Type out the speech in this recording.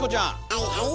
はいはい。